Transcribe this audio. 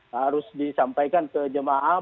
harus disampaikan ke jemaah